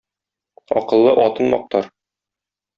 Акыллы атын мактар